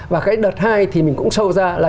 và cái đợt hai thì mình cũng sâu ra